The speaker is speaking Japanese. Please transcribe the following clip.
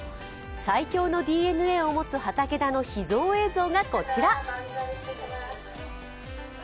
最強のＤＮＡを持つ畠田の秘蔵映像がこちら。